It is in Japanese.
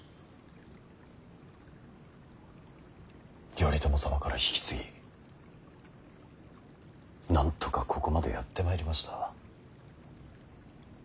頼朝様から引き継ぎなんとかここまでやってまいりました。